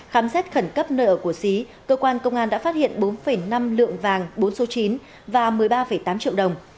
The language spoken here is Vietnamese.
khám xét khẩn cấp nơi ở của xí cơ quan công an đã phát hiện bốn năm lượng vàng bốn số chín và một mươi ba tám triệu đồng